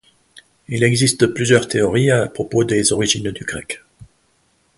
Il existe plusieurs théories à propos des origines du grec.